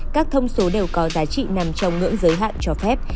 các thông số đều có giá trị nằm trong ngưỡng giới hạn cho phép